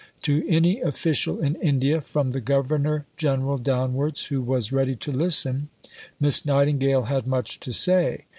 To any official in India, from the Governor General downwards, who was ready to listen, Miss Nightingale had much to say.